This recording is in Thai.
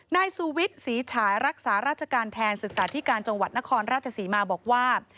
นายสูวิทย์ศรีฉายรักษาราชการแทนศึกษาธิการจังหวัดนครราชศรีมาบอกว่า